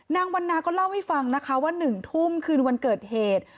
นางวันนาก็เล่าให้ฟังนะคะว่า๑ทุ่มคืนวันเกิดเหตุ